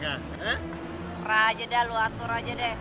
serah aja dah lo atur aja deh